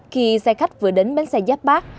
khi xe khách vừa đến bến xe giáp bác